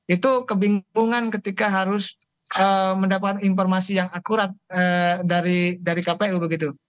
itu kebingungan ketika harus mendapat informasi yang akurat dari kpu begitu